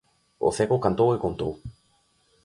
O cego cantou e contou